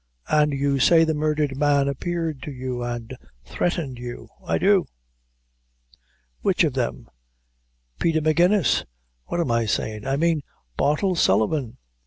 "And you say the murdered man appeared to you and threatened you?" "I do." "Which of them?" "Peter Magennis what am I sayin'? I mean Bartle Sullivan."